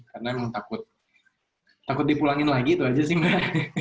karena emang takut dipulangin lagi itu aja sih